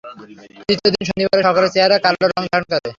তৃতীয় দিন শনিবারে সকলের চেহারা কাল রঙ ধারণ করে।